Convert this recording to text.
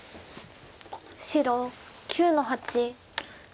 白９の八。